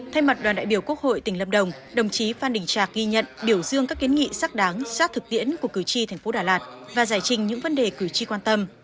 thay mặt đoàn đại biểu quốc hội tỉnh lâm đồng đồng chí phan đình trạc ghi nhận biểu dương các kiến nghị xác đáng sát thực tiễn của cử tri thành phố đà lạt và giải trình những vấn đề cử tri quan tâm